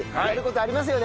ありますね。